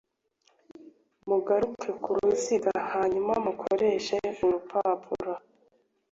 Mugaruke ku ruziga hanyuma mukoreshe urupapuro